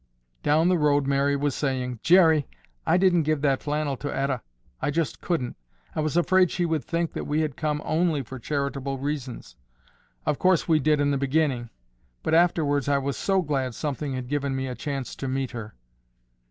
Down the road Mary was saying, "Jerry, I didn't give that flannel to Etta. I just couldn't. I was afraid she would think that we had come only for charitable reasons. Of course we did in the beginning, but, afterwards, I was so glad something had given me a chance to meet her."